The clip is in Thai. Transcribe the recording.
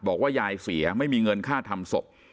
บอกว่ายายเสียไม่มีเงินค่าทำศพ